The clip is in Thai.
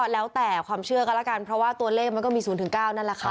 แล้วแต่ความเชื่อกันแล้วกันเพราะว่าตัวเลขมันก็มี๐๙นั่นแหละค่ะ